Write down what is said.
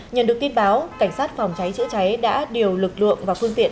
nhận được tin báo cảnh sát phòng cháy chữa cháy đã điều lực lượng và phương tiện